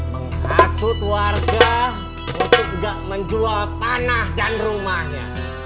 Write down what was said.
menghasut warga untuk tidak menjual tanah dan rumahnya